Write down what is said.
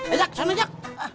ajak sana ajak